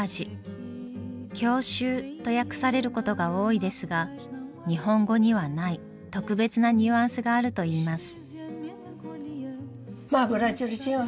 「郷愁」と訳されることが多いですが日本語にはない特別なニュアンスがあると言います。